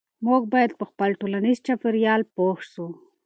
موږ باید په خپل ټولنیز چاپیریال پوه سو.